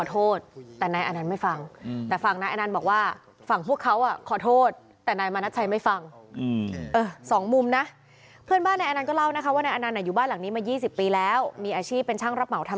ต้องแทงกันตายเลยเหรอ